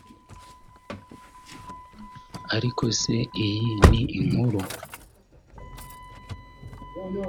Ariko se iyi ni inkuru